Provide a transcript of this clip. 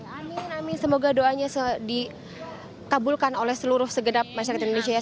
amin amin semoga doanya ditabulkan oleh seluruh segedap masyarakat indonesia